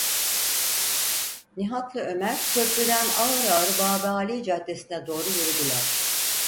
Nihat’la Ömer köprüden ağır ağır Babıâli Caddesi’ne doğru yürüdüler.